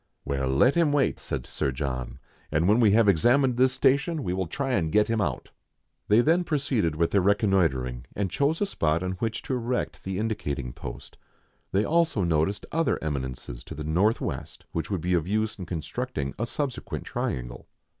"Well, let him wait," said Sir John ; "and when we have examined this station, we will try and get him out" They then proceeded with their reconnoitring, and chose 14* meridiana; the adventures of a spot on which to erect the indicating post. They also noticed other eminences to the north west which would be of use in constructing a subsequent triangle.